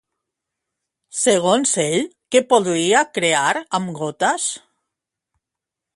Segons ell, què podria crear amb gotes?